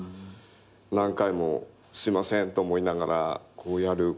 何回もすいませんと思いながらやる。